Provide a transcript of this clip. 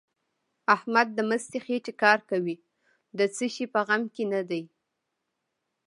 احمد د مستې خېټې کار کوي؛ د څه شي په غم کې نه دی.